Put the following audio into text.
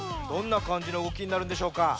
どんなかんじのうごきになるんでしょうか？